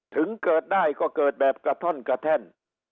ถึงเกิดได้ก็เกิดแบบกระท่อนกระแท่น